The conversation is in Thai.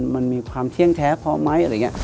มันมีความเที่ยงแท้พอไหมอะไรอย่างนี้